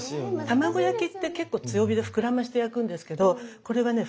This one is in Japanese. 卵焼きって結構強火で膨らまして焼くんですけどこれはね